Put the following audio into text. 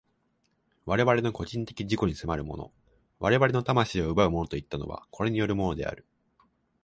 我々の個人的自己に迫るもの、我々の魂を奪うものといったのは、これによるのである。